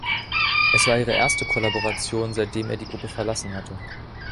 Es war ihre erste Kollaboration, seitdem er die Gruppe verlassen hatte.